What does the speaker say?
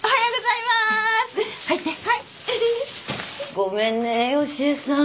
ごめんね良恵さん。